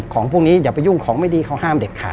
ของพวกนี้อย่าไปยุ่งของไม่ดีเขาห้ามเด็ดขาด